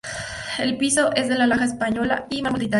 El piso es de laja española y mármol de Italia.